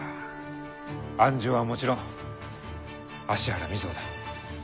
鞍上はもちろん芦原瑞穂だ。